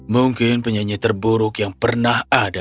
mungkin penyanyi terburuk yang pernah ada